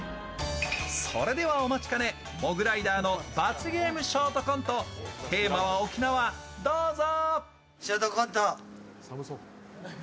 それではお待ちかねモグライダーの罰ゲームショートコント、テーマは沖縄、どうぞ。